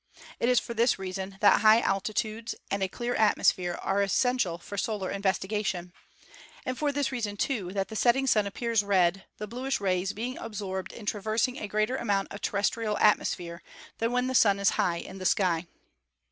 It is for this reason that high altitudes and a clear atmosphere are essential for solar investigation; and for this reason, too, that the setting Sun appears red, the bluish rays being absorbed in traversing a greater amount of terrestrial atmosphere than when the Sun is high in the sky.